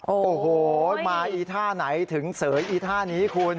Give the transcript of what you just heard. โอ้โหมาอีท่าไหนถึงเสยอีท่านี้คุณ